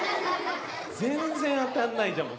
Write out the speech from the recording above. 全然当たんないじゃん